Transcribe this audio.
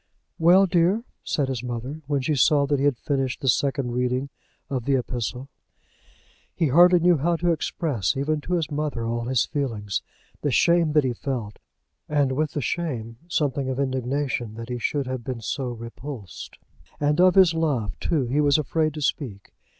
"Well, dear?" said his mother, when she saw that he had finished the second reading of the epistle. He hardly knew how to express, even to his mother, all his feelings, the shame that he felt, and with the shame something of indignation that he should have been so repulsed. And of his love, too, he was afraid to speak.